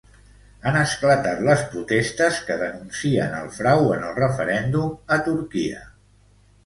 Han esclatat les protestes que denuncien el frau en el referèndum a Turquia.